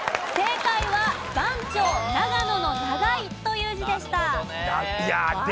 正解は番長長野の「長い」という字でした。